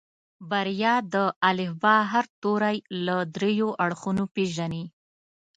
بريا د الفبا هر توری له دريو اړخونو پېژني.